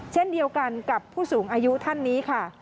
เช่นเดียวกันกับผู้สูงอายุท่านนี้ค่ะ